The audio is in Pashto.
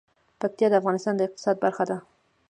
پکتیا د افغانستان د اقتصاد برخه ده.